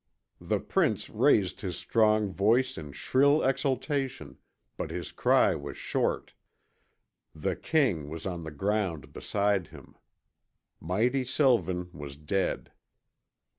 The prince raised his strong voice in shrill exultation, but his cry was short. The king was on the ground beside him. Mighty Sylvan was dead.